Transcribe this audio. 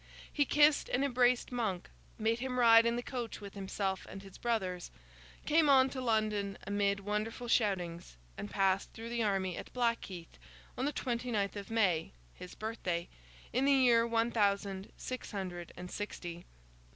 He kissed and embraced Monk, made him ride in the coach with himself and his brothers, came on to London amid wonderful shoutings, and passed through the army at Blackheath on the twenty ninth of May (his birthday), in the year one thousand six hundred and sixty.